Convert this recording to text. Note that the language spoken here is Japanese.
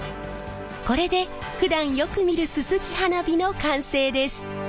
これでふだんよく見るすすき花火の完成です。